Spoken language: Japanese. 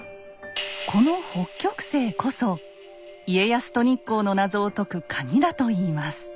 この北極星こそ家康と日光の謎を解く鍵だといいます。